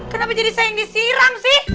kenapa jadi saya yang disiram sih